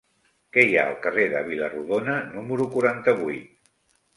Què hi ha al carrer de Vila-rodona número quaranta-vuit?